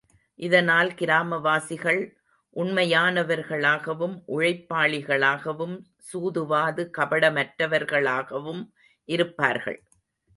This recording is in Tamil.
இதனால் கிராமவாசிகள் உண்மையானவர்களாகவும், உழைப்பாளிகளாகவும், சூதுவாது, கபடமற்றவார்களாகவும் இருப்பார்கள்.